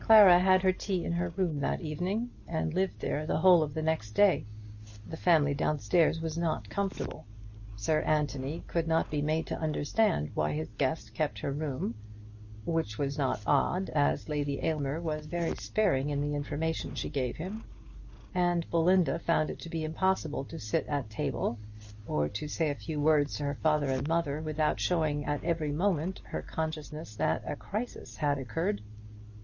Clara had her tea in her room that evening, and lived there the whole of the next day. The family down stairs was not comfortable. Sir Anthony could not be made to understand why his guest kept her room, which was not odd, as Lady Aylmer was very sparing in the information she gave him; and Belinda found it to be impossible to sit at table, or to say a few words to her father and mother, without showing at every moment her consciousness that a crisis had occurred.